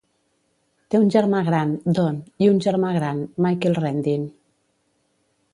Té un germà gran, Don, i un germà gran, Michael Rendine.